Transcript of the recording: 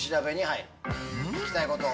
聞きたいこと。